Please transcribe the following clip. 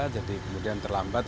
jadi kemudian terlambat